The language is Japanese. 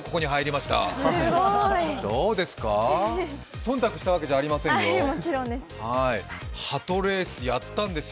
忖度したわけじゃありませんよ。